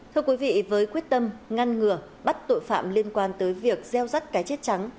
thưa quý vị với quyết tâm ngăn ngừa bắt tội phạm liên quan tới việc gieo rắt cái chết trắng